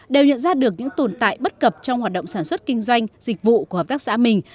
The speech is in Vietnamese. đều nhận ra được những tồn tại bất cập trong hoạt động sản xuất kinh doanh dịch vụ của hợp tác xã mình